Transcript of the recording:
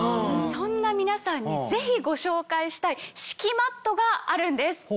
そんな皆さんにぜひご紹介したい敷マットがあるんです。